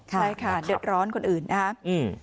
ใช่ค่ะเดือดร้อนคนอื่นนะครับ